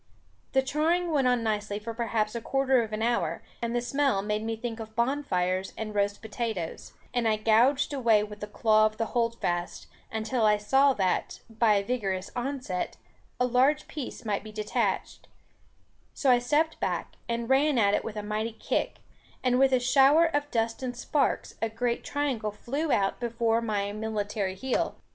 The charring went on nicely for perhaps a quarter of an hour, and the smell made me think of bonfires and roast potatoes; and I gouged away with the claw of the holdfast, until I saw that, by a vigorous onset, a large piece might be detached; so I stepped back and ran at it with a mighty kick, and with a shower of dust and sparks, a great triangle flew out before my "military heel."